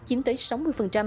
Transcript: chiếm tới sáu mươi